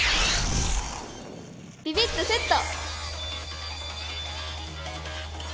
ビビッとセット！